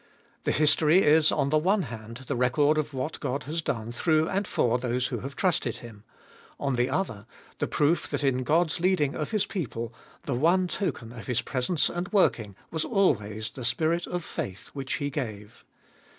The history is, on the one hand, the record of what God has done through and for those who have trusted Him ; on the other, the proof that in God's leading of His people, the one token of His presence and working was always the spirit of faith which He gave.